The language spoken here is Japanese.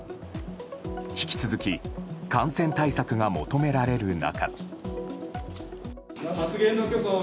引き続き、感染対策が求められる中。